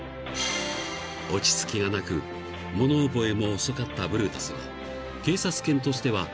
［落ち着きがなく物覚えも遅かったブルータスは］